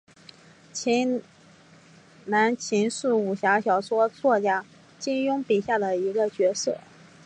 秦南琴是武侠小说作家金庸笔下的其中一个角色。